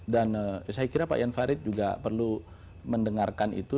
dan saya kira pak ian farid juga perlu mendengarkan itu